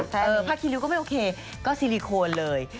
พระคิริวก็ไม่โอเคก็ซิลิโคนเลย